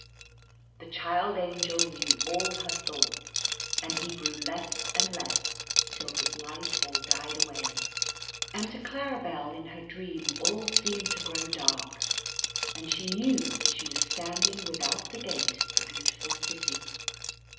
The Child Angel knew all her thoughts, and he grew less and less till his light all died away; and to Claribel in her dream all seemed to grow dark, and she knew that she was standing without the gate of the Beau tiful City.